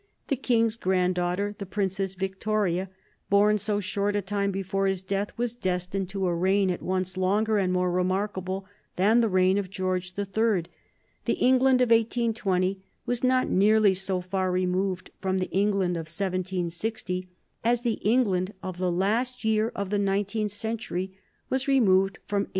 The King's granddaughter, the Princess Victoria, born so short a time before his death, was destined to a reign at once longer and more remarkable than the reign of George the Third. The England of 1820 was not nearly so far removed from the England of 1760 as the England of the last year of the nineteenth century was removed from 1837.